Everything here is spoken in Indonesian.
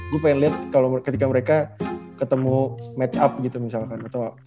gua pengen liat kalo ketika mereka ketemu match up gitu misalkan atau